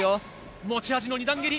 持ち味の２段蹴り。